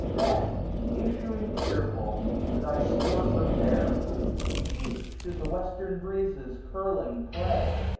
Then, issuing cheerful, to thy sport repair ; Chief should the western breezes curling play.